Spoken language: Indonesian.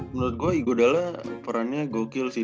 menurut gua igo dalla perannya gokil sih